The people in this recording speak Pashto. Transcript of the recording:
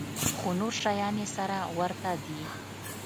خو نور شيان يې سره ورته دي.